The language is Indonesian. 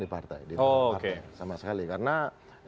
itu tidak berkembang sama sekali di partai